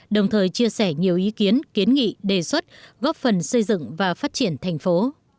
đồng thời chia sẻ nhiều ý kiến kiến nghị đề xuất góp phần xây dựng và phát triển thành phố